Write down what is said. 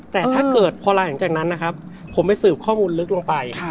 แต่ถ้าเกิดพอละจากนั้นผมไปสืบข้อมูลลึกลงไป